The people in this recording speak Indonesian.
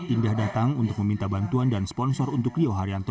indah datang untuk meminta bantuan dan sponsor untuk rio haryanto